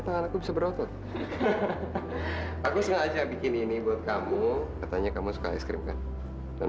tangan aku bisa berotot aku sengaja bikin ini buat kamu katanya kamu suka es krim kan dan